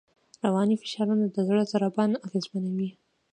رواني فشارونه د زړه ضربان اغېزمنوي.